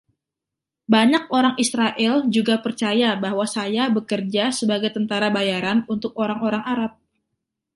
Banyak orang Israel juga percaya bahwa saya bekerja sebagai tentara bayaran untuk orang-orang Arab.